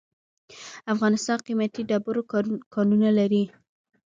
افغانستان قیمتي ډبرو کانونه لري.